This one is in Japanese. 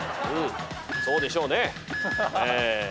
そうでしょうね。